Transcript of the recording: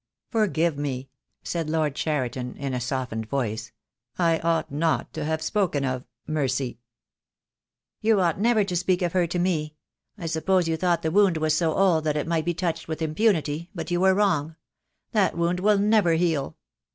"Forgive me," said Lord Cheriton, in a softened voice. "I ought not to have spoken of — Mercy." "You ought never to speak of her — to me. I sup pose you thought the wound was so old that it might be touched with impunity, but you were wrong. That wound will never heal."